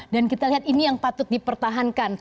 dan kita lihat ini yang patut dipertahankan